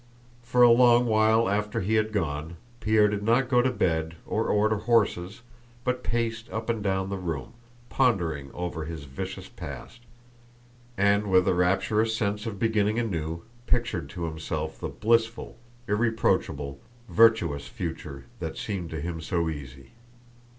For a long while after he had gone, Pierre did not go to bed or order horses but paced up and down the room, pondering over his vicious past, and with a rapturous sense of beginning anew pictured to himself the blissful, irreproachable, virtuous future that seemed to him so easy.